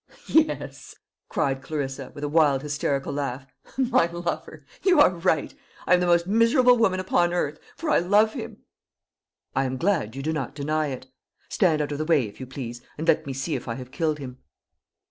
"Yes," cried Clarissa, with a wild hysterical laugh, "my lover! You are right. I am the most miserable woman upon earth, for I love him." "I am glad you do not deny it. Stand out of the way, if you please, and let me see if I have killed him."